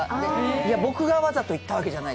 「いや、僕がわざといったわけじゃない。